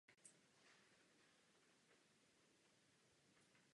Po vydání třetího alba už kapela vystupovala bez masek.